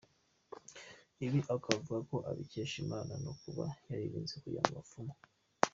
Ibi akaba avuga ko abikesha Imana no kuba yaririnze kujya mu bapfumu.